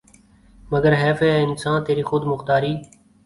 مگر حیف ہے اے انسان تیری خود مختاری